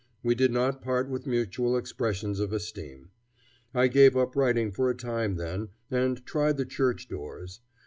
We did not part with mutual expressions of esteem. I gave up writing for a time then, and tried the church doors.